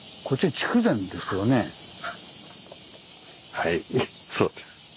はいそうです。